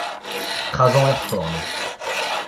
Krazañ er forn.